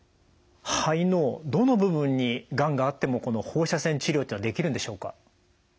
肺のどの部分にがんがあってもこの放射線治療っていうのはできるんでしょうか？